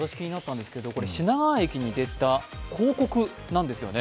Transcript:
これ、品川駅に出た広告なんですよね。